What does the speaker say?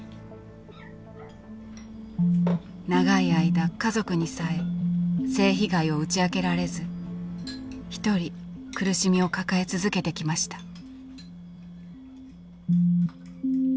長い間家族にさえ性被害を打ち明けられず一人苦しみを抱え続けてきました。